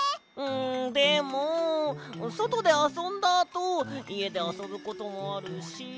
んでもそとであそんだあといえであそぶこともあるし。